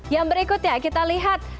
yang berikutnya kita lihat